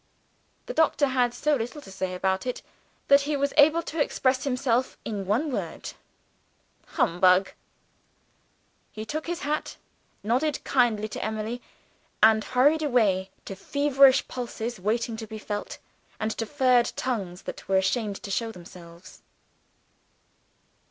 The doctor had so little to say about it that he was able to express himself in one word: "Humbug!" He took his hat nodded kindly to Emily and hurried away to feverish pulses waiting to be felt, and to furred tongues that were ashamed to show themselves.